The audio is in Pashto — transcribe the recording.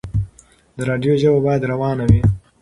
د راډيو ژبه بايد روانه وي.